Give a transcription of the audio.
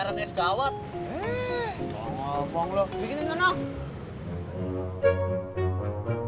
waalaikumsalam warahmatullahi wabarakatuh